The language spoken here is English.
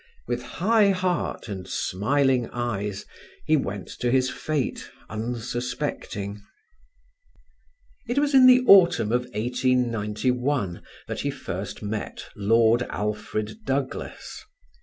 With high heart and smiling eyes he went to his fate unsuspecting. It was in the autumn of 1891 that he first met Lord Alfred Douglas.